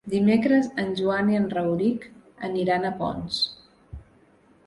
Dimecres en Joan i en Rauric aniran a Ponts.